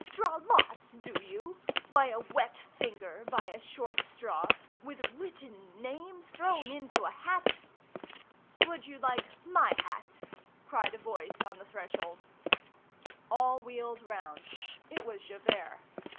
Draw lots, do you? By a wet finger, by a short straw! With written names! Thrown into a hat!—" "Would you like my hat?" cried a voice on the threshold. All wheeled round. It was Javert.